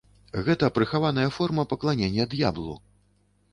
Гэта прыхаваная форма пакланення д'яблу!